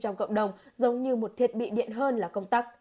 trong cộng đồng giống như một thiết bị điện hơn là công tắc